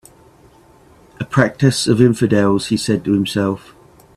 "A practice of infidels," he said to himself.